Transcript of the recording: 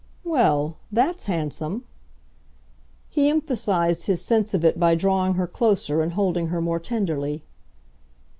"Well, that's handsome." He emphasised his sense of it by drawing her closer and holding her more tenderly.